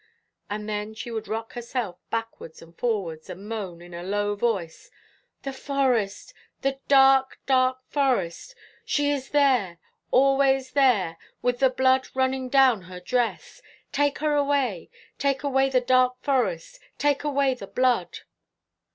And then she would rock herself backwards and forwards, and moan in a low voice, 'The forest the dark, dark forest; she is there, always there, with the blood running down her dress! Take her away, take away the dark forest take away the blood!'